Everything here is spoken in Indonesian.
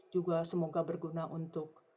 juga semoga berguna untuk